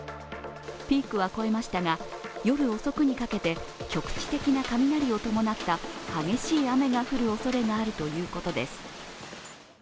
ピークは越えましたが夜遅くにかけて局地的な雷を伴った激しい雨が降るおそれがあるということです。